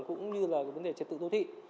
cũng như là cái vấn đề trật tự thô thị